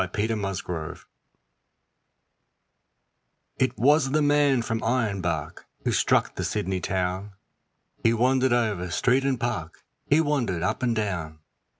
The Man from Ironbark It was the man from Ironbark who struck the Sydney town, He wandered over street and park, he wandered up and down.